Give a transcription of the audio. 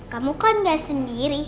kamu kan nggak sendiri